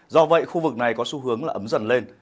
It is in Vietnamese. do vậy khu vực này có xu hướng là ấm dần lên